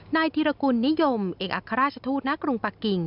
นายธิรกุลนิยมเอกอัครราชทูตณกรุงปะกิ่ง